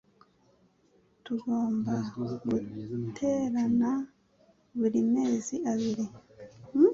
Tugomba guterana buri mezi abiri.